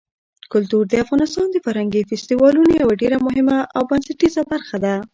کلتور د افغانستان د فرهنګي فستیوالونو یوه ډېره مهمه او بنسټیزه برخه ده.